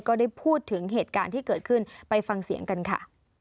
ก็ได้พูดถึงเหตุการณ์ที่เกิดขึ้นไปฟังเสียงกันค่ะ